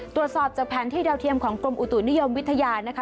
ตรวจสอบจากแผนที่ดาวเทียมของกรมอุตุนิยมวิทยานะคะ